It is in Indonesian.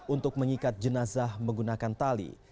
untuk mengikat jenazah menggunakan tali